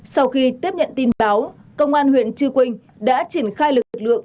sau khi tiếp nhận tin báo công an huyện chư quynh đã triển khai lực lượng